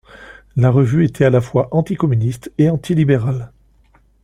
La revue était à la fois anti-communiste et anti-libérale.